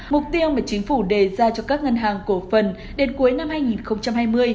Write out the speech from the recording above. mục tiêu mà chính phủ đề ra cho các ngân hàng cổ phần đến cuối năm hai nghìn hai mươi